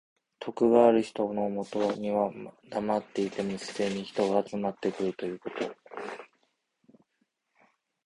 徳がある人のもとにはだまっていても自然に人が集まってくるということ。